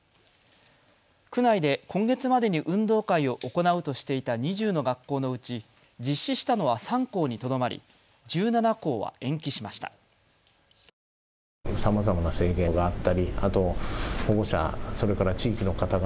区内で今月までに運動会を行うとしていた２０の学校のうち実施したのは３校にとどまり、１７校は延期しました。